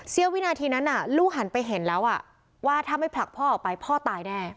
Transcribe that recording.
วินาทีนั้นลูกหันไปเห็นแล้วว่าถ้าไม่ผลักพ่อออกไปพ่อตายแน่